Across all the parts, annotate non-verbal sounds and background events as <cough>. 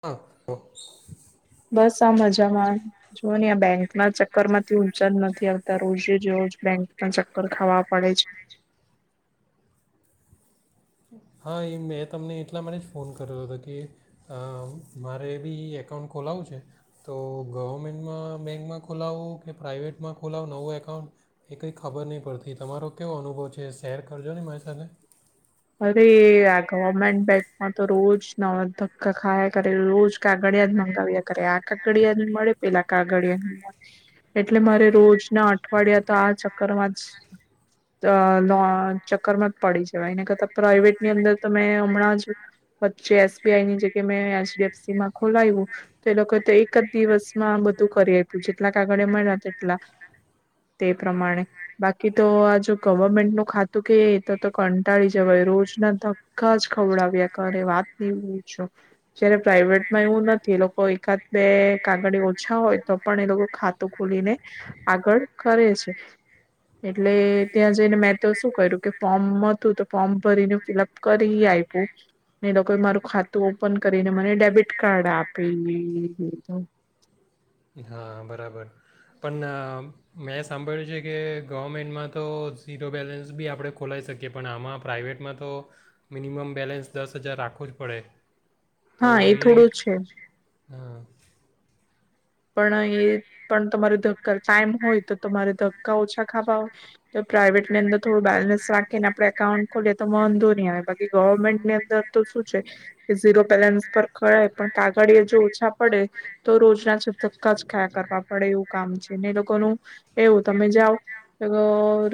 હા <inaudible> બસ, આ મજામાં.. જુઓ ને આ. બેંક ના ચક્કર માંથી ઊંચા જ નથી આવતા. રોજે જ રોજ બેંક ના ચક્કર ખાવા પડે છે. હા.. એ મેં તમને એટલા માટે જ ફોન કર્યો હતો કે, મારે પણ એકાઉન્ટ ખોલાવું છે. તો ગવર્મેન્ટમાં બેંકમાં ખોલાવવું કે પ્રાઇવેટમાં ખોલાવું, નવો એકાઉન્ટએ કંઈ ખબર નહીં પડતી તમારો કેવો અનુભવ છે? શેર કરજો ને મારી સાથે અરે.. ! આ ગવર્મેન્ટ બેંકમાં તો રોજ ના ધક્કા ખાયા કરે, રોજ કાગડિયા જ મંગાવ્યા કરે, આ કાગડિયા ની મળે, પેલા કાગડિયા ન મળે એટલે મારે રોજ ના અઠવાડિયા તો આ ચક્કરમાં જ <unintelligible> ચક્કર માં જ પડી જવા એને કરતા પ્રાઇવેટ ની અંદર તો મેં હમણાં જ વચ્ચે એસ. બી‌. આઈ. ની જગ્યા મેં એચ. ડી. એફ. સી. માં ખોલાવ્યું તો એ લોકોએ તો એક જ દિવસમાં બધું કરી આપ્યું જેટલા કાગળે મળ્યા તેટલા. તે પ્રમાણે બાકી તો.. આ જો ગવર્મેન્ટ ન ખાતું કે તો તો કંટાળી જ જવાય. રોજના ધક્કા.. જ ખવડાવ્યા કરે વાત ન પૂછો. જ્યારે પ્રાાઈવેટમાં એવું નથી એ લોકો એકાદ બે કાગળ ઓછા હોય તો પણ એ લોકો ખાતું ખોલીને આગળ કરે છે. એટલે ત્યાં જઈને મેં તો શું કર્યું કે, ફોર્મ હતું તો ફોર્મ ભરીને ફિલઅપ કરી આપ્યું, ને એ લોકોએ મારું ખાતું ઓપન કરીને મને ડેબિટ કાર્ડ આપી દિધું. હા બરાબર, પણ મેં સાંભળ્યું છે કે ગવર્મેન્ટમાં તો, ઝીરો બેલેન્સ પણ આપણે ખોલાવી શકીએ. પણ આમાં પ્રાઇવેટમાં તો મિનિમમ બેલેન્સ દસ હજાર રાખવું જ પડે. હા એ થોડું છે. હા. પણ એ પણ તમારે ધક્કા ટાઈમ હોય તો તમારે ધક્કા ઓછા ખાવા હોય, તો પ્રાાઈવેટ ની અંદર થોડું બેલેન્સ રાખીને આપણે એકાઉન્ટ ખોલીએ તો વાંધો નહી આવે બાકી ગવર્મેન્ટની અંદર તો શું છે, કે ઝીરો બેલેન્સ પર થાય પણ કાગળ જો ઓછા પડે તો રોજના ધક્કા જ ખયા કરવા પડે એવું કામ છે ને એ લોકોનું, એવું તમે જાઓ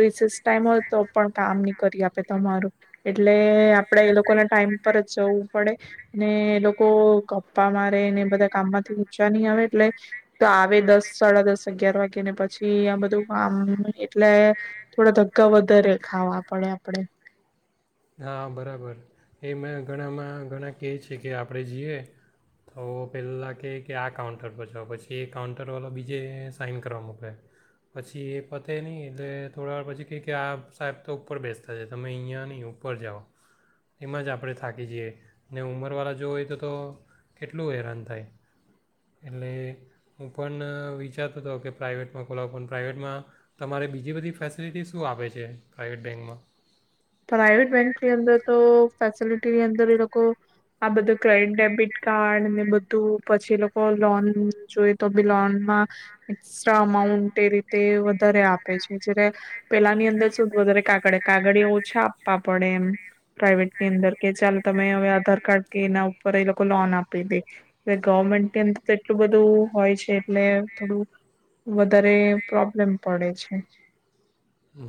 રિસેસ ટાઈમ હોય તો પણ કામ નહી કરી આપે તમારું, એટલે આપડે એ લોકોના ટાઈમ પર જ જવું પડે, એ લોકો ગપ્પા મારે ને બધા કામમાંથી ઊંચા નહી આવે, એટલે તો આવે દસ સાડા દસ અગિયાર વાગે ને પછી આ બધું કામ એટલે, થોડા ધક્કા વધારે ખાવા પડે આપણે. હા બરાબર, એ મેં ઘણામાં ઘણાં કહે છે કે આપણે જઈએ તો પહેલાં કહે કે આ કાઉન્ટર પર જાઓપછી એ કાઉન્ટરવાળો બીજે સાઇન કરવા મોકલે, પછી એ પતે નહીં એટલે થોડા વાર પછી કહે કે આ સાહેબ તો ઉપર બેસતા છે, તમે અહીંયા નહીં ઉપર જાઓ. એમાં જ આપણે થાકી જઈએ, ને ઉંમરવાળા જો હોય તો તો કેટલું હેરાન થાય, એટલે હું પણ વિચારતો હતો કે પ્રાઇવેટમાં ખોલાવું પણ, પ્રાઇવેટમાં તમારે બીજી બધી ફેસિલિટી શું આપે છે? પ્રાઇવેટ બેંકમાં? પ્રાઈવેટ બેંકની અંદર તો ફેસિલિટીની અંદર એ લોકો આ બધું ક્રેડિટ, ડેબિટ કાર્ડ ને બધું પછી એ લોકો લોન જોઈ તો પણ લોનમાં એક્સ્ટ્રા અમાઉન્ટ એ રીતે વધારે આપે છે જે પેલાની અંદર શું વધારે કાગળ કાગળ.. આપવા પડે એમ, પ્રાઇવેટની અંદર કે ચાલો તમે હવે આધાર કાર્ડ કે એના ઉપર એ લોકો લોન આપી દે, ગવર્મેન્ટની અંદર તો એટલું બધું હોય છે એટલે થોડું વધારે પ્રોબ્લેમ પડે છે.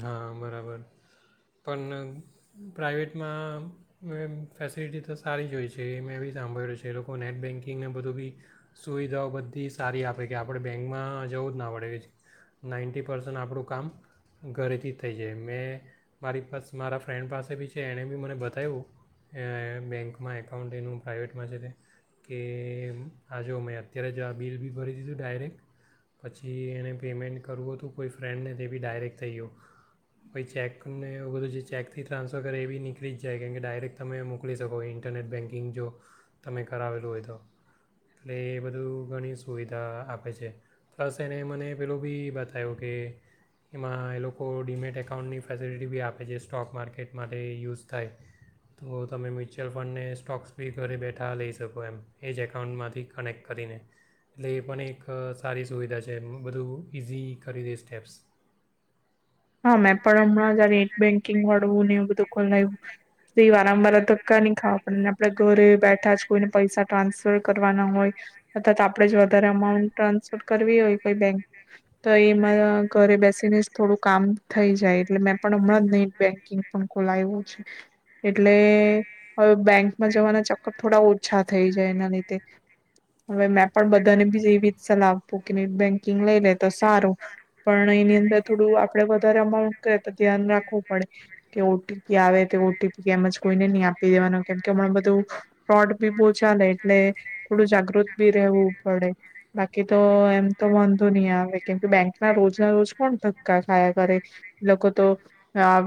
હા બરાબર પણ પ્રાઇવેટમાં મે ફેસિલિટી તો સારી જો હોય છે, મેં એ બવી સાંભળ્યું છે. એ લોકો નેટ બેૅન્કિંગને બધું બી સુવિધાઓ બધી સારી આપે, કે આપણે બેંકમાં જવું જ ના પડે નાઇન્ટી પર્સન્ટ આપણું કામ ઘરેથી જ થઈ જાય. મેં મારી પાસ મારા ફ્રેન્ડ પાસેબી છે એણેબી મને બતાવ્યું, બેન્કમાં એકાઉન્ટ એનું પ્રાઇવેટમાં છે તે, કે આજ મેં અત્યારે જો આ બિલબી ભરી દીધું ડાયરેક્ટ, પછી એને પેમેન્ટ કરવું હતું કોઈ ફ્રેન્ડને તેબી ડાયરેક્ટ થઈ ગયો, કોઈ ચેક ને એ બધું જે ચેકથી ટ્રાન્સફર કરે એબી નીકળી જ જાય કેમ કે ડાયરેક્ટ તમે મોકલી શકો ઇન્ટરનેટ બેન્કિંગ જો, તમે કરાવેલું હોય તો એટલે એ બધું ઘણી સુવિધા આપે છ, પ્લસ એને મને પેલુંબી બતાવ્યું કે એમાં એ લોકો ડીમેટ એકાઉન્ટની ફેસિલિટી બીઆપે છે સ્ટોક માર્કેટ માટે યુઝ થાય, તો તમે મ્યુચ્યુઅલ ફંડને સ્ટોક્સબી ઘરે બેઠા લઈ શકો એમ, એ જ એકાઉન્ટમાંથી કનેક્ટ કરીને એટલે એ પણ એક સારી સુવિધા છે. બધું ઇઝી કરીદે સ્ટેપ્સ. હા મેં પણ હમણાં જ નેટ બેંકિંગ વળવું ને એવું બધું ખોલાવ્યું, વારં-વાર ધક્કા ની ખાવા પડેને આપડે ઘરે બેઠા જ કોઈને પૈસા ટ્રાન્સફર કરવાના હોય, અથા તો આપણે જ વધારે અમાઉન્ટ ટ્રાન્સફર કરવી હોય કોઈ બેંક તો એમાં ઘરે બેસીને જ થોડુંક કામ થ જાય એટલે મેં પણ હમણાં જ નહી બેંકિંગ પણ ખોલાય્યું છે, એટલે હવે બેંકમાં જવાના ચક્કર થોડા ઓછા થઈ જાય એના લીધે, હવે મેં પણ બધાને બી એવી સલાહ આપું કે નહી બેન્કિંગ લઈ લે તો સારું, પણ એની અંદર થોડું આપડે વધારે અમાઉન્ટ કર તો ધ્યાન રાખવું પડે, કે ઓ ટી પી આવે તો ઓ ટી પી એમજ કોઈને નહી આપી દેવાનું, કેમ કે હમણા બધું ફ્રોડ બી બહુ ચાલે એટલે થોડું જાગૃત બી રહેવું પડે, બાકી તો એમ તો વાંધો નહી આવે કેમ કે બેંક ના રોજ ના રોજ કોણ ધક્કા ખાયા કરે, લોકો તો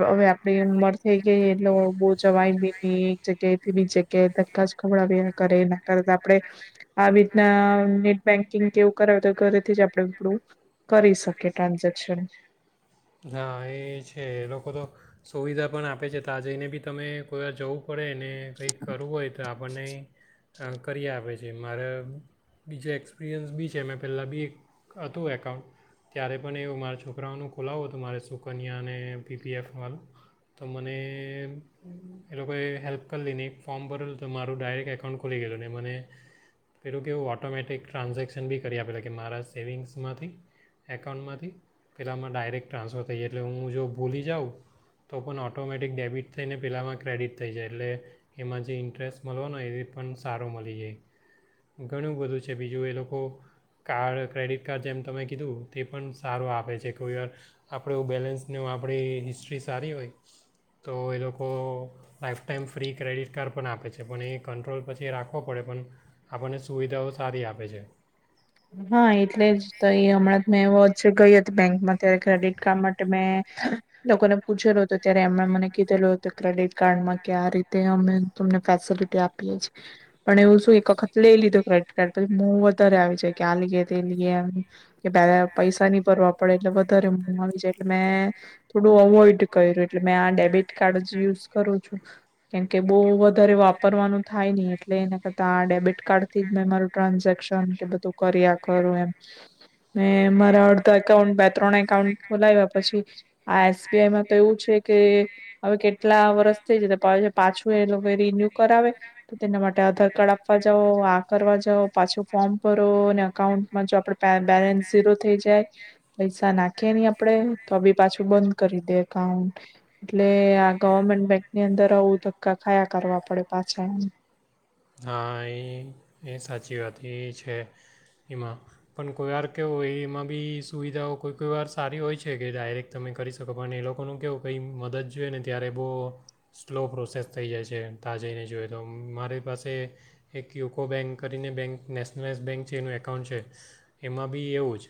હવે આપણી ઉમર થઈ ગઈ એ લોકો બહ જવાયી એક જગ્યાએથી બી જગ્યાએ દરખાાસ ખવડાવી કરે એ કરે તો આપણે, આવી રીતના નેટ બેન્કિંગ કેવું કરાવે તો ઘરેથી જ આપડડું કરી શકીએ ટ્રાન્ઝેક્શન. હા એ છે લોકો તો સુવિધા પણ આપે છે ત જઈને બી તમે કોઈ વા જઉં પડે ને કંઈક કરવું હોય તો આપણે આપણને, કરી આપે છે મારે બીજું એક્સપિરિયન્સ બી છે મેં પહેલાં બી એક હતું એકાઉન્ટ, ત્યારે પણ એવું મારા છોકરાઓનું ખોલાવું હતું. તો મારે સુકન્યા અને પીપીએફ વાળું તો મને એ લોકોએ હેલ્પ કરીલી નને એક ફોર્મ ભરેલું તો મારું ડાયરેક્ટ એકાઉન્ટ ખોલી ગયેલું ને મને પેલું કેવું ઓટોમેટિક ટ્રાન્ઝેક્શન બી કરી આપેલા કે મારા સેવિંગ્સમાંથી એકાઉન્ટમાંથી પેલાંમાં ડાયરેક્ટ ટ્રાન્સફર થઈ જાય એટલે હું જો ભૂલી જાઉં, તો પણ ઓટોમેટિક ડેબિટ થઈને પેલાંમાં ક્રેડિટ થઈ જાય એટલે, એમાં જે ઇન્ટરેસ્ટ મળવાો ને એ પણ સારો મળી જાય, ઘણું બધું છે બીજું એ લોકો, કાર્ડ ક્રેડિટ કાર્ડ જેમ તમે કીધું તે પણ સારું આપે છે, કોઈ વાર આપણેું એું બેલેન્સને આપણી હિસ્ટ્રી સારી હોય, તો એ લોકો life time free credit card પણ આપે છે પણ એ કંટ્રોલ પછી એ રાખવો પડે પણ, આપણને સુવિધાઓ સારી આપે છે હા એટલે જ તો એ હમણાં મેં વચ ગઈ હતી બેંકમાં ત્યારે ક્રેડિટ કાર્ડ માટે મેં, લોકોને પૂછેલું હતો ત્યારે એમણે મને કીધેલું ક્રેડિટ કાર્ડમાં કે આ રીતે અમે તમને ફેસિલિટી આપીએ છેએ, પણ એવું શું એક વખત લઈ લીધું કડિટ કાર્ડ પછી મોં વધારે આવી જાય કે આ લીએે તે લઈએેમ કે, પલા પૈસા નની પર વાપરેે એટલે વધ મો આવી જાય, એટલે મેં થોડું અવોઈડ કર્યું એટલે મેં આ ડેબિટ કાર્ડ જ યુઝ કરું છું, કેમકે બહુ વધારે વાપરવાનું થાય નહી એટલે એના કરતા આ ડેબિટ કાર્ડ મે મારું ટ્રાન્ઝેક્શન કે બધું કર્યા ખરું એમ મે મારા અડધા એકાઉન્ટ બે ત્રણ એકાઉન્ટ ખોલાવ્યા પછી આ એસબીઆઈમાં તો એવું છે કે હવે કેટલા વરસ થઈ જ પ પાછું એ લોકો રિન્યુ કરાવે તો તેના માટે આધાર કાર્ડ આપવા જાવ કરવા જાવ પાછો ફોર્મ ભરો અને અકાઉન્ટમાં જો આપડે બેલેન્સ ઝીરો થઈ જાય, પૈસા નાખીએ નહી આપડે તો બી પાછું બંધ કરી દે એકાઉન્ટ, એટલે આ ગવમેન્ટ બેંકની અંદર આવું ધક્કા ખાયા કરવા પડે પાછા. હા એ એ સાચી વાત એ છે, એમાં પણ કોઈ વાર કવો એમાં બી સુવિધાઓ કોઈ કોઈ વાર સારી હોય છે કે ડાયરેક્ટ તમે કરી શકો પણ એ લોકોનું કહવું કંઈ મદદ જોઈએ ને ત્યારે બહુ સ્લો પ્રોસેસ થઈ જાય છે તા જઈને જોઈએ તો મારી પાસે એક કો બેંક કરીને બેંક નેશનલાઈઝ બેંક છે એનું એકાઉન્ટ છે એમાં બી એવું જ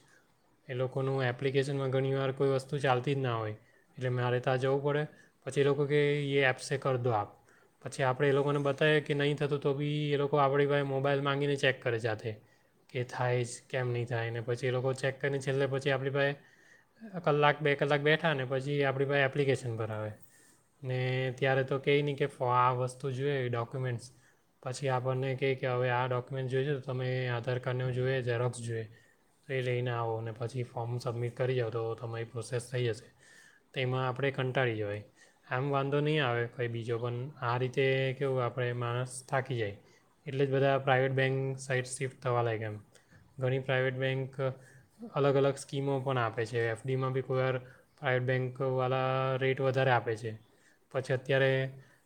એ લોકોનું એપ્લિકેશનમાં ઘણીવાર કોઈ વસ્તુ ચાલતી જ ના હોય એટલે મારે ત્યાં જવું પડે પછી એ લોકો કે એ એપ્સે કર દો આપ પછી આપણે એ લોકોને બતાવીએ કે નહીં થતું તો બી એ લોકો આપણી ભાઈ મોબાઈલ માંગીને ચેક કરે જાતે, સાથે કે થાય જ કેમ નહીં થાય, ને પછી એ લોકો ચેક કરીને છેલ્લે પછી આપણી ભાઈ કલાક બે કલાક બેઠા ને પછી આપણી પાાઈ એપ્લિકેશન પર આવે ને ત્યારે તો ક નહીં કે આ વસ્તુ જોએ એ ડોક્યુમેન્ટસ પછી આપણને ક કે હવે આ ડોક્યુમેન્ટ જોએ છે તો તમે આધાર કાર્ડને જોઈએ ઝરોક્સ જોઈએ તો એ લઈને આવો અને પછી ફોર્મ સબમિટ કરી જાઓ તો તમારી પ્રોસેસ થઈ જશે તો એમાં આપણે કંટાળી જવાય આમ વાંધો નહીં આવે કઈ બીજો પણ આ રીતે કેવું આપણે માણસ થાકી જાય એટલે જ બધા પ્રાઇવેટ બેન્ક સાઈટ શિફ્ટ થવા લાગ કે એમ ઘણી પ્રાઇવેટ બેન્ક અલગ અલગ સ્કીમો પણ આપે છે એફડીમાં બી કોઈવાર પ્રાઇવેટ બેન્કવાળા રેટ વધારે આપે છે પછી અત્યારે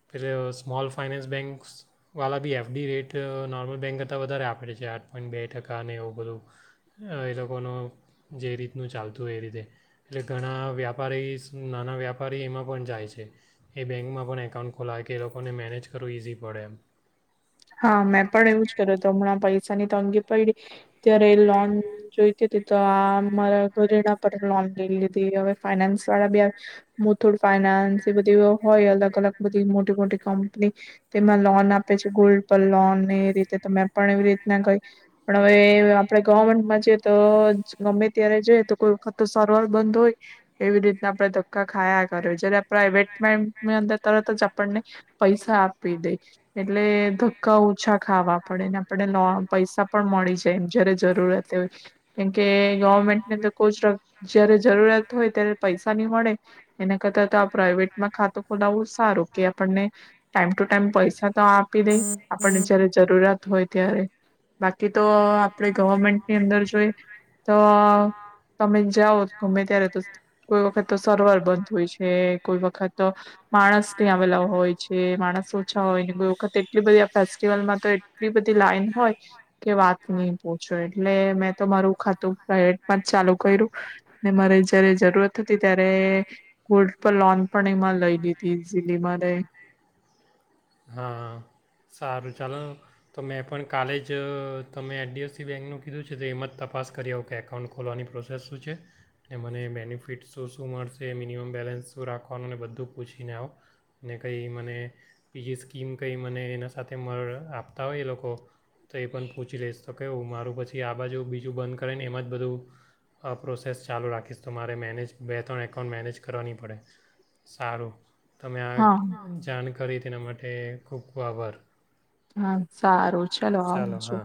પ સ્મોલ ફાાઈનાન્સ બેન્ક્સવાળા બી એફડી રેટ નોર્મલ બેંક કરતાં વધારે આપે છે આઠ પોઈન્ટ બે ટકા અને એવું બધું એ લોકોનું જે રીતનું ચાલતું હોય એ રીતે એટલે ઘણા વ્યાપારી નાના વ્યાપારી એમાં પણ જાય છે એ બેંકમાં પણ એકાઉન્ટ ખોલાય કે એ લોકોને મેનેજ કરવું ઇઝી પડે એમ હા મેં પણ એવું જ કર્યું હત હમણાં પૈસા ની તંગી પડી, ત્યારે લોન જોઈતી હતી તો આરા ઘરેણા પર લોન લઈ લીધી હવે ફાઈનાન્સ વાળા, બી મુથુડ ફાઈનાન્સ એ બધી હોય અલગ અલગ બધી મોટી મોટી કંપની, તેમાં લોન આપે છે. ગોલ્ડ પર લોનને એ રીતે મેં પણ એવી રીતના કઈ, પણ હવે આપડણે ગવર્મેન્ટમાં જઈએ તો ગમે ત્યારે જોઈએ તો કોઈત સર્વર બંધ હોય, એવી રીતના આપણે ધક્કા ખાયા કરે જયારે પ્રાાઈવેટની અંદર તરત જ આપણને, પૈસા આપી દે. એટલે ધક્કા ઓછા ખાવા પડે ને આપણને લો પૈસા પણ મળી જાય એમ જયારે જરૂરિયાતય, કેમકે ગવર્મેન્ટની અંદર કોઈ જ જયારે જરૂરત હોય ત્યારે પૈસા નહી મળે, એના કરતાં તો આ પ્રાાઈવેટમાં ખાતું ખોલાવું સારું કે આપણને, ટાઈમ ટુ ટાઈમ પૈસા તો આપી દે, આપણને જયારે જરૂરત હોય અત્યારે, બાકી તો આપડ ગવર્મેન્ટની અંદર જોઈ, તો તમે જાઓ ગમે ત્યારે તો કોઈ વખત તો સર્વર બંધ હોય છે કોઈ વખત, માણસ ત્યાં આવેલા હોય છે માણસ ઓછા હોય વખત એટલી બધી આ ફેસ્ટિવલમાં તો એટલી બધી લાઈન હોય, કે વાત નહી પુછો, એટલે એટલે મેં તો મારું ખાતું પ્રઇવેટમાં જ ચાલુ કર્યું, ને મારે જયારે જરૂરત હતી ત્યારે કોલ્ડ પ લોન પણ એમાં લઈ લીધી ઝીલીમાંરે હા સારું ચાલ તો મેં પણ કાલે જ તમે એચ ડી એફ સી બેન્કનું કીધું છે તો એમાં જ તપાસ કરી આવ કે એકાઉન્ટ ખોલવાની પ્રોસેસ શું છે, ને મને બેનિફિટ શું શું મળશે મિનિમમ બેલેન્સ શું રાખવાનું ને બધું પૂછીને આવો, ને કંઈ મને બીજી સ્કીમ કંઈ મને એના સાથે આપતા હોય એ લોકો, તો એ પણ પૂછી લઈશ તો કે હું મારું પછી આ બાજુ બીજું બંધ કરે ને એમાં જ બધું, પ્રોસેસ ચાલુ રાખીશ તો મારે મેનેજ બે ત્રણ એકાઉન્ટ મેનેજ કરવાની પડે, સારું તમે હા આ જાણ કરી તેના માટે ખૂબ ખૂબ આભાર. હા સારું. ચાલો આવ જો. <inaudible>